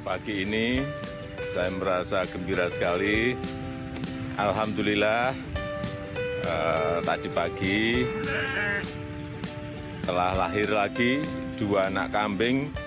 pagi ini saya merasa gembira sekali alhamdulillah tadi pagi telah lahir lagi dua anak kambing